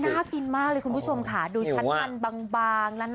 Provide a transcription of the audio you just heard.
น่ากินมากเลยคุณผู้ชมค่ะหิงวะดูชั้นมานบังบางระหล่าง